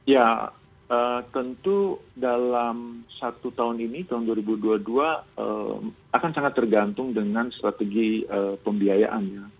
ya tentu dalam satu tahun ini tahun dua ribu dua puluh dua akan sangat tergantung dengan strategi pembiayaan ya